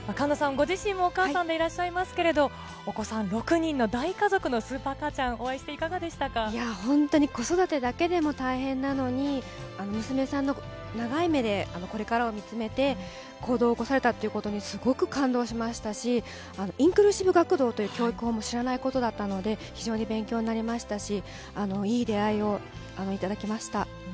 ご自身もお母さんでいらっしゃいますけど、お子さん６人の大家族のスーパー母ちゃん、本当に子育てだけでも大変なのに、娘さんの、長い目でこれからを見つめて行動を起こされたっていうことに、すごく感動しましたし、インクルーシブ学童という教育法も知らないことだったので、非常に勉強になりましたし、いい出会いをいただきました。